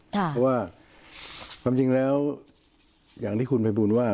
เพราะว่าความจริงแล้วอย่างที่คุณภัยบูลว่า